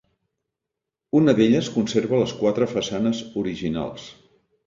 Una d'elles conserva les quatre façanes originals.